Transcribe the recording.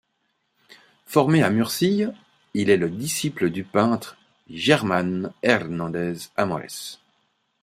Formé à Murcie, il est le disciple du peintre Germán Hernández Amores.